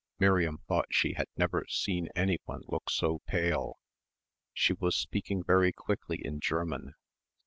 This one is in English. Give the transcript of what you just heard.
Miriam thought she had never seen anyone look so pale. She was speaking very quickly in German.